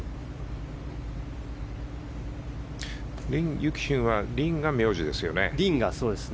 リン・ユキシンはリンが名字ですよね。